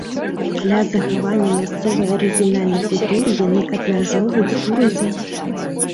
Для захавання мясцовай арыгінальнай культуры яны абмяжоўваюць турызм.